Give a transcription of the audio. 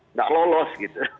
tidak lolos gitu